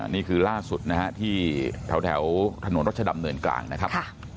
นี่คือล่าสุดที่แถวถนนรถชดำเหนื่อยกลางนะครับ